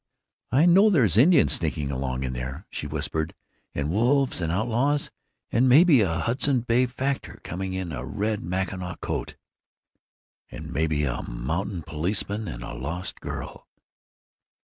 "I know there's Indians sneaking along in there," she whispered, "and wolves and outlaws; and maybe a Hudson Bay factor coming, in a red Mackinaw coat." "And maybe a mounted policeman and a lost girl."